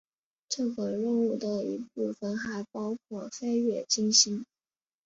这个任务的一部分还包括飞越金星。